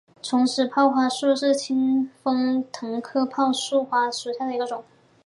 重齿泡花树为清风藤科泡花树属下的一个种。